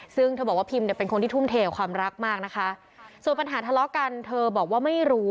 ซึ่งเธอบอกว่าพิมเนี่ยเป็นคนที่ทุ่มเทกับความรักมากนะคะส่วนปัญหาทะเลาะกันเธอบอกว่าไม่รู้